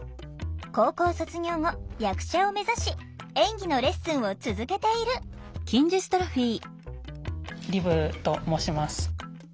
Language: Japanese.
高校卒業後役者を目指し演技のレッスンを続けているリブと申します。